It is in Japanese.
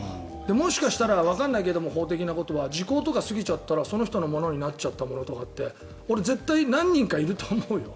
もしかしたらわかんないけど法的なことは時効とかが過ぎたらその人のものになるとかって俺、絶対に何人かいると思うよ。